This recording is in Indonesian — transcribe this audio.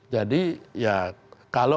jadi ya kalau